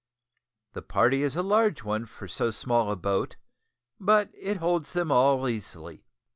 The party is a large one for so small a boat, but it holds them all easily.